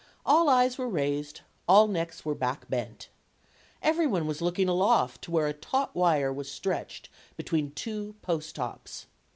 All eyes were raised, all necks were back bent. Every one was looking aloft to where a taut wire was stretched be tween two post tops.